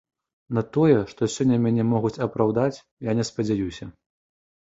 На тое, што сёння мяне могуць апраўдаць, я не спадзяюся.